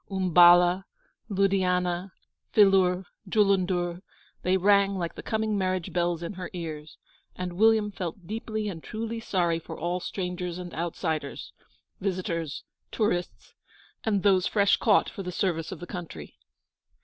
Umballa, Ludianah, Phillour, Jullundur, they rang like the coming marriage bells in her ears, and William felt deeply and truly sorry for all strangers and outsiders visitors, tourists, and those fresh caught for the service of the country.